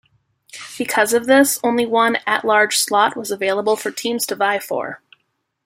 Because of this, only one at-large slot was available for teams to vie for.